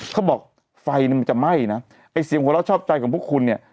เขาบอกไฟนึงจะไหม้นะไอ้เสียงฮูรัชชอบใจของพวกคุณเนี่ย